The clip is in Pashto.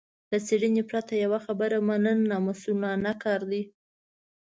له څېړنې پرته يوه خبره منل نامسوولانه کار دی.